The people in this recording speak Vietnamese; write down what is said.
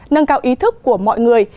nâng cao ý thức của mọi người